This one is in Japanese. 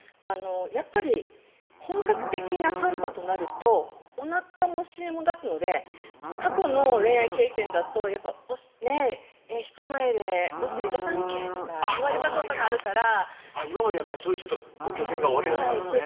やっぱり本格的なサンバとなるとおなかもお尻も出すので過去の恋愛経験だとやっぱねぇ「人前でお尻出さんけぇ」とか言われたことがあるから今までそういうご経験がおありだったんですね